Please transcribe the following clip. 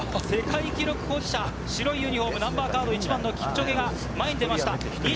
世界記録保持者白いユニホームナンバーカード１番のキプチョゲ前に出ました。